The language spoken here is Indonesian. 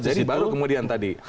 jadi baru kemudian tadi